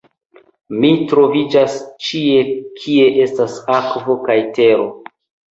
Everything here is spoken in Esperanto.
"Mi troviĝas ĉie kie estas akvo kaj tero."